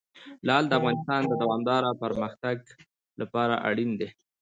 لعل د افغانستان د دوامداره پرمختګ لپاره اړین دي.